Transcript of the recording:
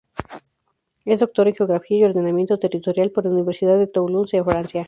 Es doctor en Geografía y Ordenamiento Territorial por la Universidad de Toulouse, Francia.